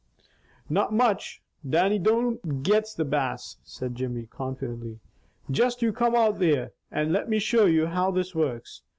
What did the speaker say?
"Not much, Dannie don't 'gets the Bass,'" said Jimmy confidently. "Just you come out here and let me show you how this works.